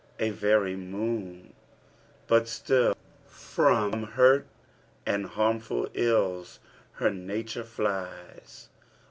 a very moon! but still * Prom hurt and harmful ills her nature flies.